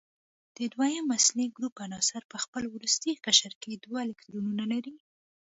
د دویم اصلي ګروپ عناصر په خپل وروستي قشر کې دوه الکترونونه لري.